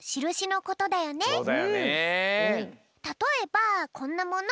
たとえばこんなもの。